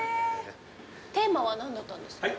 テーマは何だったんです？